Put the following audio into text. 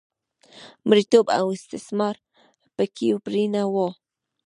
مریتوب او استثمار هم په کې پرېنه و.